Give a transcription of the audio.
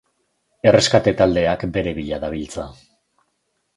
Erreskate taldeak bere bila dabiltza.